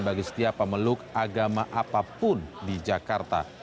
bagi setiap pemeluk agama apapun di jakarta